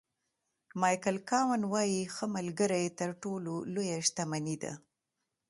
مایکل کاون وایي ښه ملګری تر ټولو لویه شتمني ده.